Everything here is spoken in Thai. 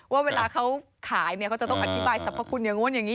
ว่าเวลาเขาขายเนี่ยเขาจะต้องอธิบายสรรพคุณอย่างนู้นอย่างนี้